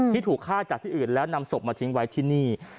ถูกฆ่าจากที่อื่นแล้วนำศพมาทิ้งไว้ที่นี่